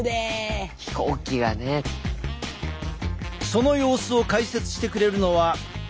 その様子を解説してくれるのは。